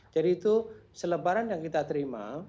jadi itu selebaran yang kita terima